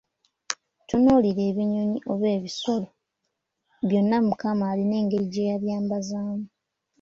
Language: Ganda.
Tunuulira ebinnyonyi oba ensolo, byonna Mukama alina engeri gye yabyambazaamu.